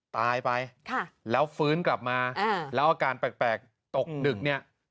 ตายไปแล้วฟื้นกลับมาแล้วอาการแปลกตกดึกเนี่ย